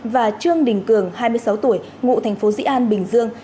và trương đình cường hai mươi sáu tuổi ngụ tp dĩ an bình dương